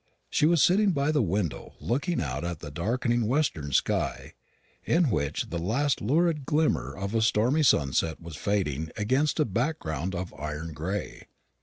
She was sitting by the window looking out at the darkening western sky, in which the last lurid glimmer of a stormy sunset was fading against a background of iron gray.